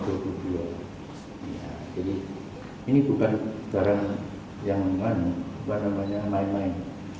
jadi ini bukan barang yang menganu bukan barang yang main main